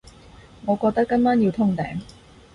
我覺得今晚要通頂